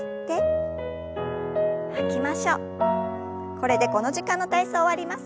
これでこの時間の体操終わります。